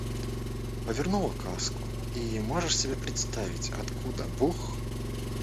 Повернула каску, и, можешь себе представить, оттуда бух!